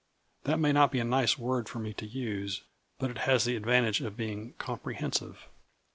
That may not be a nice word for me to use, but it has the advantage of being comprehensive."